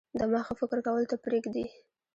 دماغ ښه فکر کولو ته پریږدي.